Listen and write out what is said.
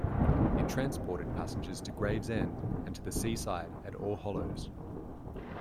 It transported passengers to Gravesend and to the seaside at Allhallows.